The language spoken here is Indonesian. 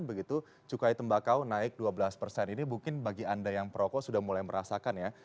begitu cukai tembakau naik dua belas persen ini mungkin bagi anda yang perokok sudah mulai merasakan ya